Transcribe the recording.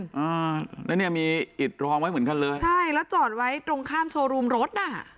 อ่าแล้วเนี่ยมีอิดรองไว้เหมือนกันเลยใช่แล้วจอดไว้ตรงข้ามโชว์รูมรถน่ะ